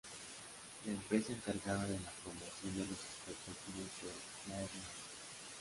La empresa encargada de la promoción de los espectáculos fue Live Nation.